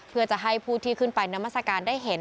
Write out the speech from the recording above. เพื่อจะให้ผู้ที่ขึ้นไปนามัศกาลได้เห็น